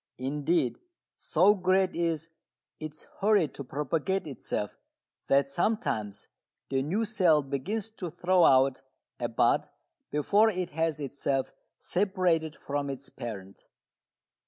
Indeed so great is its hurry to propagate itself that sometimes the new cell begins to throw out a bud before it has itself separated from its parent.